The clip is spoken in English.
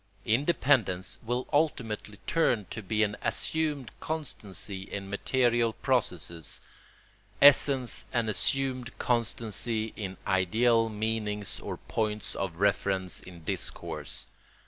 Independence will ultimately turn out to be an assumed constancy in material processes, essence an assumed constancy in ideal meanings or points of reference in discourse.